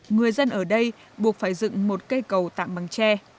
người dân ở đây buộc phải dựng một cây cầu tạm bằng tre